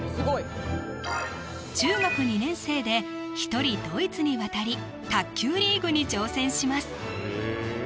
中学２年生で一人ドイツに渡り卓球リーグに挑戦します